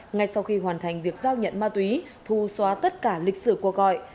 ngay sau khi hoàn thành việc giao nhận ma túy thu xóa tất cả lịch sử cuộc gọi